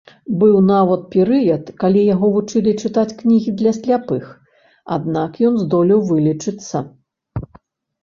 Быў нават перыяд, калі яго вучылі чытаць кнігі для сляпых, аднак ён здолеў вылечыцца.